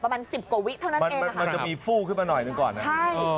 ประมาณสิบกว่าวิเท่านั้นเองมันจะมีฟู้ขึ้นมาหน่อยหนึ่งก่อนนะใช่